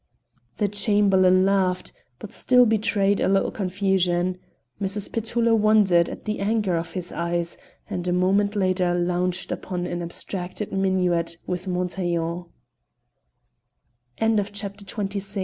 The Chamberlain laughed, but still betrayed a little confusion: Mrs. Petullo wondered at the anger of his eyes, and a moment later launched upon an abstracted minuet with Montaigl